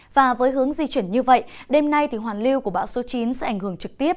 và với hướng di chuyển như vậy đêm nay hoàn lưu của bão số chín sẽ ảnh hưởng trực tiếp